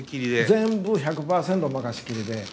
全部１００％任せ切りで。